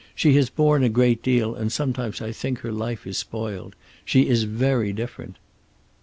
She has borne a great deal, and sometimes I think her life is spoiled. She is very different."